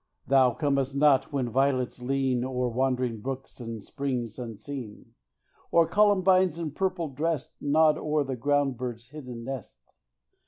Thou comest not when violets lean O'er wandering brooks and springs unseen, Or columbines, in purple dressed, Nod o'er the ground bird's hidden nest.